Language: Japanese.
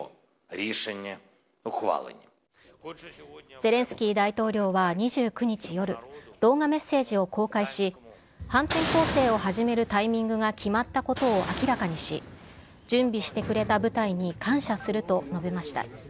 ゼレンスキー大統領は２９日夜、動画メッセージを公開し、反転攻勢を始めるタイミングが決まったことを明らかにし、準備してくれた部隊に感謝すると述べました。